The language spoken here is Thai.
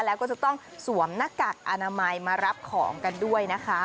แล้วก็จะต้องสวมหน้ากากอนามัยมารับของกันด้วยนะคะ